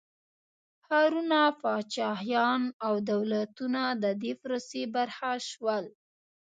ښارونه، پاچاهيان او دولتونه د دې پروسې برخه شول.